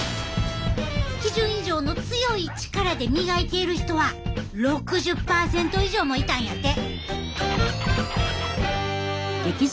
基準以上の強い力で磨いている人は６０％以上もいたんやて。